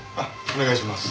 お願いします。